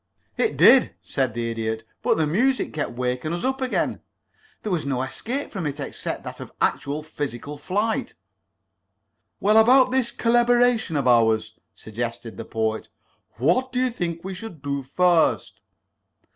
"It did," said the Idiot. "But the music kept waking us up again. There was no escape from it except that of actual physical flight." "Well, about this collaboration of ours," suggested the Poet. "What do you think we should do first?"